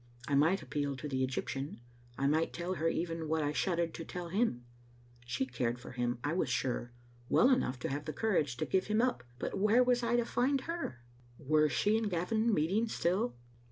I might appeal to the Egyptian. I might tell her even what I shuddered to tell him. She cared for him, I was sure, well enough to have the courage to give him up. But where was I to find her ? Were she and Gavin meeting still?